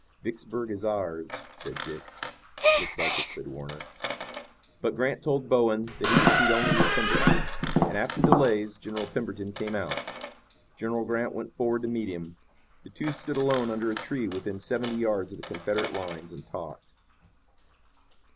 "Vicksburg is ours," said Dick. "Looks like it," said Warner. But Grant told Bowen that he would treat only with Pemberton, and after delays General Pemberton came out. General Grant went forward to meet him. The two stood alone under a tree within seventy yards of the Confederate lines and talked.